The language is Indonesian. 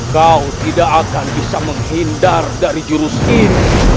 kau tidak akan bisa menghindar dari jurus ini